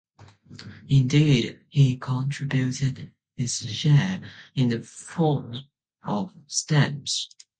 Indeed he contributed his share in the form of stamps.